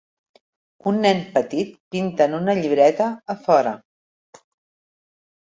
Un nen petit pinta en una llibreta a fora.